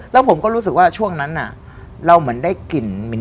แล้วผมก็รู้สึกว่าช่วงนั้นเราเหมือนได้กลิ่นเหม็น